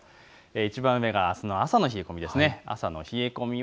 いちばん上は朝の冷え込みです。